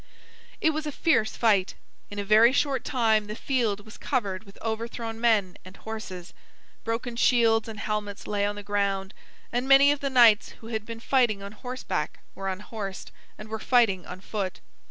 It was a fierce fight. In a very short time the field was covered with overthrown men and horses. Broken shields and helmets lay on the ground, and many of the knights who had been fighting on horseback were unhorsed, and were fighting on foot.